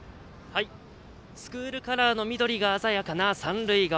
スクールカラーの緑が鮮やかな三塁側。